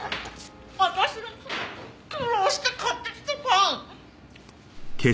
私の苦労して買ってきたパン。